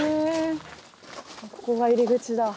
ここが入り口だ。